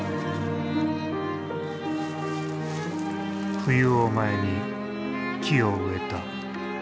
冬を前に木を植えた。